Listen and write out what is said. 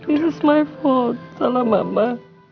ini salah mama